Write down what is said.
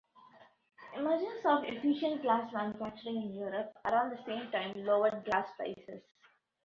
Emergence of efficient glass manufacturing in Europe, around the same time, lowered glass prices.